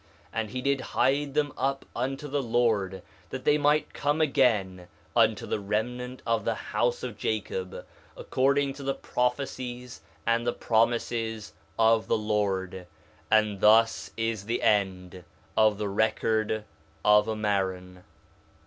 4 Nephi 1:49 And he did hide them up unto the Lord that they might come again unto the remnant of the house of Jacob according to the prophecies and the promises of the Lord. And thus is the end of the record of Ammaron.